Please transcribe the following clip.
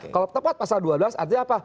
kalau tepat pasal dua belas artinya apa